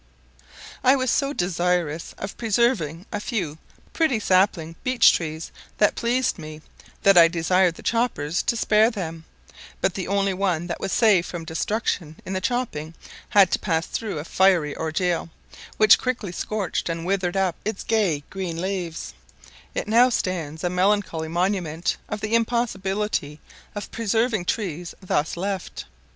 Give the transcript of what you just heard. I was so desirous of preserving a few pretty sapling beech trees that pleased me, that I desired the choppers to spare them; but the only one that was saved from destruction in the chopping had to pass through a fiery ordeal, which quickly scorched and withered up its gay green leaves: it now stands a melancholy monument of the impossibility of preserving trees thus left.